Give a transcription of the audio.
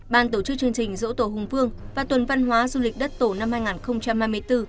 ban tổ chức chương trình dỗ tổ hùng vương và tuần văn hóa du lịch đất tổ năm hai nghìn hai mươi bốn